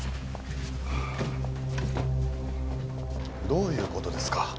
どういう事ですか？